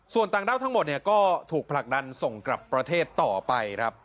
ส่วนต่างด้าวทั้งหมดเนี่ยก็ถูกผลักดันส่งกลับประเทศต่อไปครับ